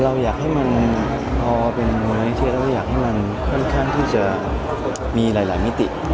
เราอยากให้มันพอเป็นมูลนิธิแล้วก็อยากให้มันค่อนข้างที่จะมีหลายมิติ